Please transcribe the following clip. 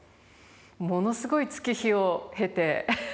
ものすごい月日を経て。